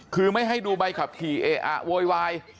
คือไม่ให้ดูใบขับขี่เออะโวยวาย